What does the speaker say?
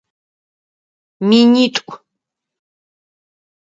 Минитӏу.